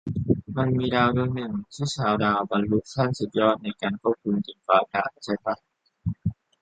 มันมีดาวดวงนึง ที่ชาวดาวบรรลุขั้นสุดยอดในการควบคุมดินฟ้าอากาศใช่ป่ะ ?